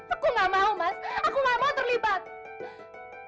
aku nggak mau mas aku nggak mau terlibat